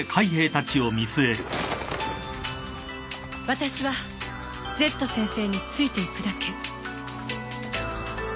私はＺ先生についていくだけ。